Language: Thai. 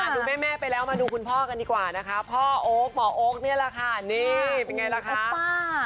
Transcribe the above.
ดูแม่ไปแล้วมาดูคุณพ่อกันดีกว่านะคะพ่อโอ๊คหมอโอ๊คนี่แหละค่ะนี่เป็นไงล่ะคะป้า